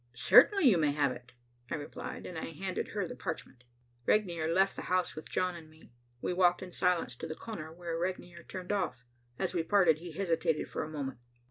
"Certainly you may have it," I replied, and I handed her the parchment. Regnier left the house with John and me. We walked in silence to the corner where Regnier turned off. As we parted, he hesitated for a moment.